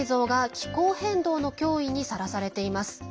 このモアイ像が気候変動の脅威にさらされています。